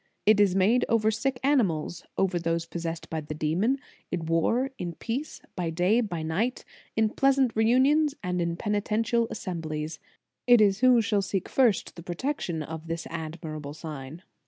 " It is made over sick animals, over those possessed by the demon, in war, in peace, by day, by niglu, in pleasant reunions, and in penitential assemblies. It is who shall seek first the protection of this admirable sign.